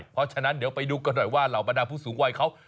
เพราะฉะนั้นเดี๋ยวไปดูกันหน่อยว่าเหล่าบรรดาผู้สูงวัยเขา